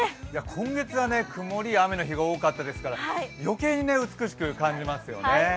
今月は曇りや雨の日が多かったですから、余計に美しく感じますよね。